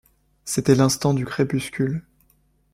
C’était l’instant du crépuscule.